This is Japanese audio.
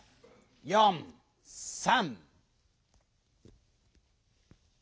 ４３。